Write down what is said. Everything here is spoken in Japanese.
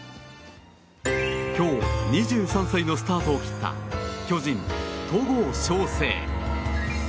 今日２３歳のスタートを切った巨人、戸郷翔征。